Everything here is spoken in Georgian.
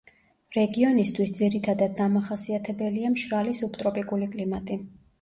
რეგიონისთვის ძირითადად დამახასიათებელია მშრალი სუბტროპიკული კლიმატი.